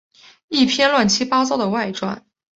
一篇乱七八糟的外传